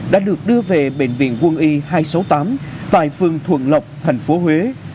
đã được đưa về bệnh viện quân y hai trăm sáu mươi tám tại phương thuận lộc thành phố huế